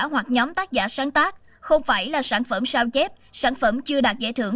hoặc nhóm tác giả sáng tác không phải là sản phẩm sao chép sản phẩm chưa đạt giải thưởng